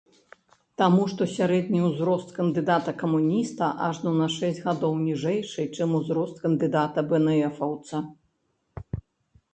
Таму што сярэдні ўзрост кандыдата-камуніста ажно на шэсць гадоў ніжэйшы, чым узрост кандыдата-бээнэфаўца.